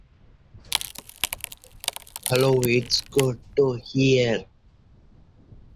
சரவண பெலகோலாவில் இருக்கும் கோமதேஸ்வரர் உருவம் அறுபது அடி உயரம்.